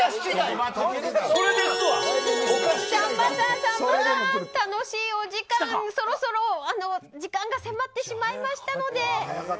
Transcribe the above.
さんまさんさんまさん、楽しいお時間そろそろ時間が迫ってしまいましたので。